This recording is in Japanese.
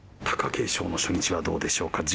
貴景勝の初日はどうでしょうか。